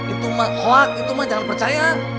itu mah kuat itu mah jangan percaya